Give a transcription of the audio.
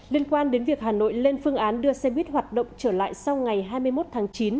liên quan đến việc hà nội lên phương án đưa xe buýt hoạt động trở lại sau ngày hai mươi một tháng chín